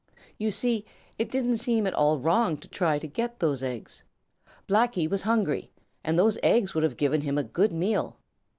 You see, it didn't seem at all wrong to try to get those eggs. Blacky was hungry, and those eggs would have given him a good meal.